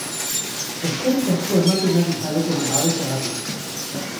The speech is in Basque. Eskerrik asko ematen ari zareten babesagatik!